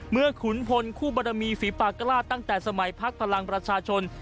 เมื่อขุนผลคู่บรรดามีฝีปากกล้าตั้งแต่สมัยภักดิ์พลังประชาชน